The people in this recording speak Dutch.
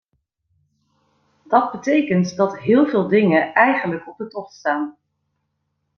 Dat betekent dat heel veel dingen eigenlijk op de tocht staan.